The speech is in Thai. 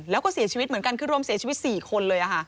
แล้วก็เสียชีวิตเหมือนกันคือรวมเสียชีวิต๔คนเลย